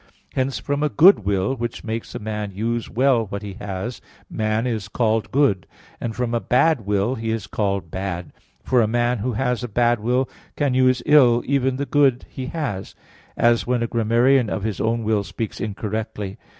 Hence from a good will, which makes a man use well what he has, man is called good, and from a bad will he is called bad. For a man who has a bad will can use ill even the good he has, as when a grammarian of his own will speaks incorrectly.